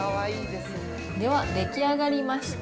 では出来上がりました。